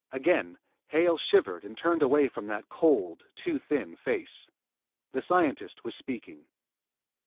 Again Hale shivered and turned away from that cold, too thin face. The scientist was speaking.